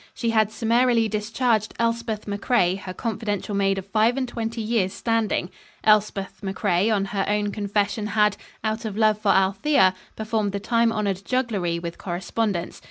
She had summarily discharged Elspeth Macrae, her confidential maid of five and twenty years' standing. Elspeth Macrae, on her own confession, had, out of love for Althea, performed the time honoured jugglery with correspondence.